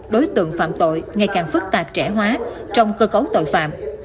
đối tượng phạm tội ngày càng phức tạp trẻ hóa trong cơ cấu tội phạm